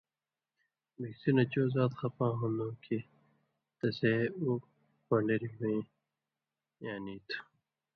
بِکسی نہ چو زات خپا ہُون٘دوۡ کھیں تسے اُو پن٘ڈری ہویں یاں نی تُھو۔